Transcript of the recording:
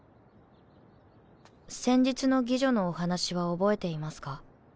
先日の妓女のお話は覚えていますか？